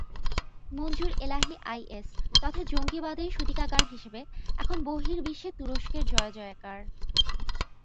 মনজুর Elahi IS তথা জঙ্গিবাদের সূতিকাগার হিসেবে এখন বহির্বিশ্বে তুরস্কের জয়জয়কার।